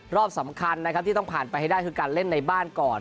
รอบสำคัญนะครับที่ต้องผ่านไปให้ได้คือการเล่นในบ้านก่อน